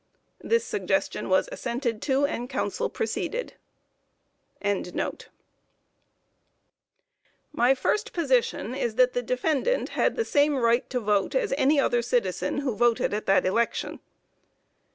This suggestion was assented to, and the counsel proceeded.] My first position is that the defendant had the same right to vote as any other citizen who voted at that election.